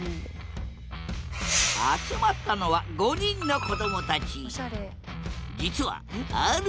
集まったのは５人のこどもたち。